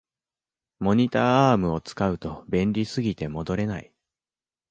モニターアームを使うと便利すぎて戻れない